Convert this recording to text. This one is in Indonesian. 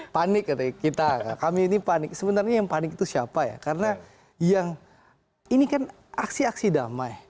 panik katanya kita kami ini panik sebenarnya yang panik itu siapa ya karena yang ini kan aksi aksi damai